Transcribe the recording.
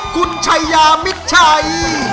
คุณชายามิดชัย